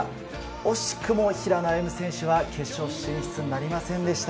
惜しくも平野歩夢選手は決勝進出なりませんでした。